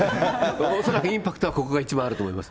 恐らくインパクトはここが一番あると思います。